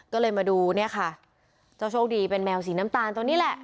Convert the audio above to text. ก็เลยมาดูเนี่ยค่ะเจ้าโชคดีเป็นแมวสีน้ำตาลตัวนี้แหละ